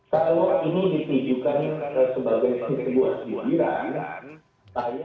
pak pranowo ini ditujukan sebagai sindiran